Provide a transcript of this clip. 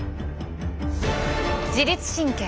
自律神経。